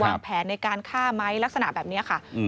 วางแผนในการฆ่าไหมลักษณะแบบนี้ค่ะ